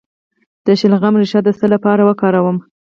د شلغم ریښه د څه لپاره وکاروم؟